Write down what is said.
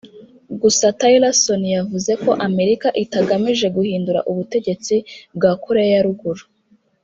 gusa Tillerson yavuze ko Amerika itagamije guhindura ubutegetsi bwa Koreya ya Ruguru